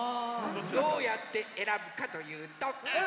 どうやってえらぶかというとこれ。